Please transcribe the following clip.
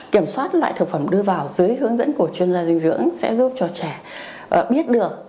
kiểm soát loại thực phẩm đưa vào dưới hướng dẫn của chuyên gia dinh dưỡng sẽ giúp cho trẻ biết được